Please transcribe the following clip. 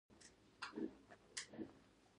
د خطر احساس کاوه.